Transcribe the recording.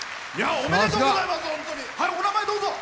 お名前をどうぞ。